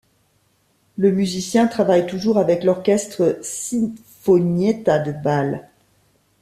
Le musicien travaille toujours avec l'orchestre Sinfonietta de Bâle.